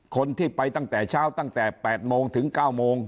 คนที่ไปตั้งแต่เช้าตั้งแต่๘โมงถึง๙โมง